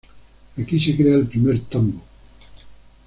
Aquí se crea el primer "tambo".